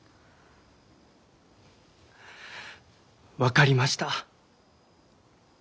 分かりました。